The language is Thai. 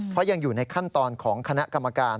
เพราะยังอยู่ในขั้นตอนของคณะกรรมการ